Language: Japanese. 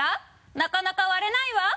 なかなか割れないわ」